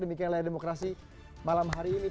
demikian layar demokrasi malam hari ini